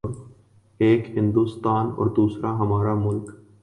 :ایک ہندوستان اوردوسرا ہمارا ملک۔